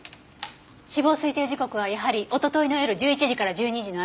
死亡推定時刻はやはりおとといの夜１１時から１２時の間。